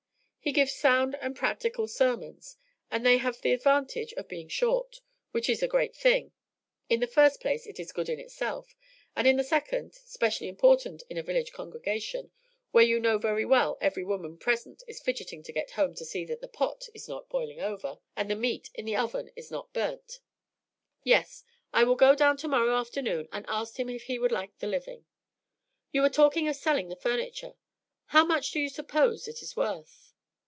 He gives sound and practical sermons, and they have the advantage of being short, which is a great thing. In the first place, it is good in itself, and in the second, specially important in a village congregation, where you know very well every woman present is fidgeting to get home to see that the pot is not boiling over, and the meat in the oven is not burnt. Yes, I will go down tomorrow afternoon and ask him if he would like the living. You were talking of selling the furniture; how much do you suppose it is worth?"